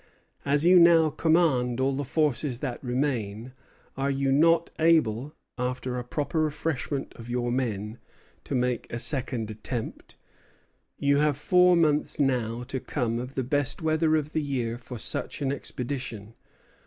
As you now command all the forces that remain, are you not able, after a proper refreshment of your men, to make a second attempt? You have four months now to come of the best weather of the year for such an expedition.